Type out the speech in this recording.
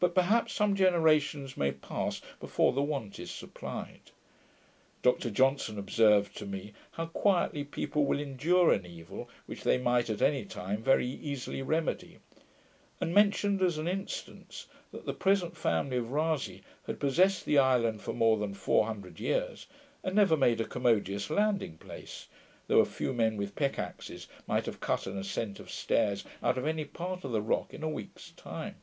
But perhaps some generations may pass before the want is supplied. Dr Johnson observed to me, how quietly people will endure an evil, which they might at any time very easily remedy; and mentioned as an instance, that the present family of Rasay had possessed the island for more than four hundred years, and never made a commodious landing place, though a few men with pickaxes might have cut an ascent of stairs out of any part of the rock in a week's time.